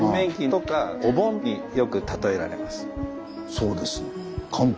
そうですね。